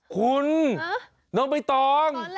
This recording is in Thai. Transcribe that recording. คุณน้องพี่ตองฮะ